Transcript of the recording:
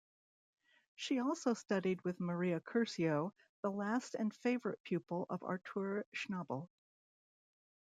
She also studied with Maria Curcio, the last and favourite pupil of Artur Schnabel.